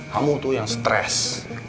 kamu tuh yang stres